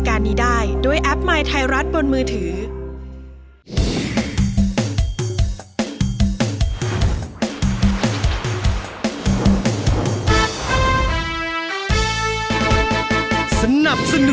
ก็ร้องได้ให้ร้าน